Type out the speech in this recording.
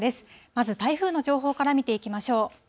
まず、台風の情報から見ていきましょう。